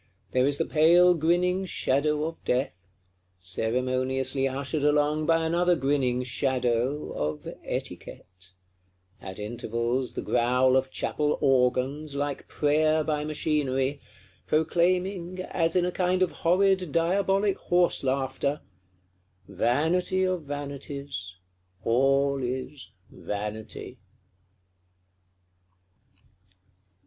There is the pale grinning Shadow of Death, ceremoniously ushered along by another grinning Shadow, of Etiquette: at intervals the growl of Chapel Organs, like prayer by machinery; proclaiming, as in a kind of horrid diabolic horse laughter, _Vanity of vanities, all is Vanity!